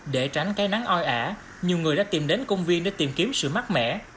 để tránh cây nắng oi ả nhiều người đã tìm đến công viên để tìm kiếm sự mát mẻ